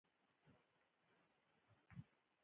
باور له زړه خپرېږي او ذهن ته رسېږي.